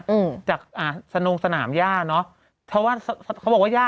อืออือจากอาสนองสนามหญ้าเนอะเพราะว่าบาทพ่อบอกว่าหญ้า